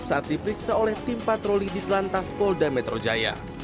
saat diperiksa oleh tim patroli di telantas polda metro jaya